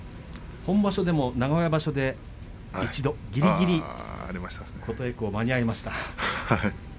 名古屋場所で一度ぎりぎり琴恵光も間に合いましたね。